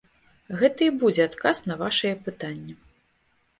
Гэта і будзе адказ на вашае пытанне.